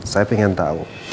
saya ingin tahu